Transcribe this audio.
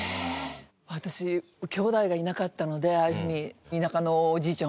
私きょうだいがいなかったのでああいうふうに田舎のおじいちゃん